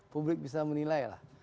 publik bisa menilai lah